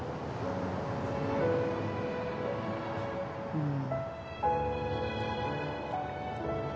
うん。